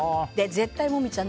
絶対もみちゃん